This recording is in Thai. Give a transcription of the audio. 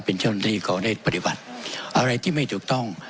เป็นเจ้าหน้าที่เขาได้ปฏิบัติอะไรที่ไม่ถูกต้อง